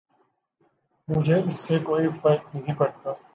مجھے اس سے کوئی فرق نہیں پڑتا